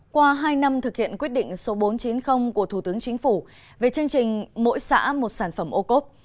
qua hai năm thực hiện quyết định số bốn trăm chín mươi của thủ tướng chính phủ về chương trình mỗi xã một sản phẩm ô cốp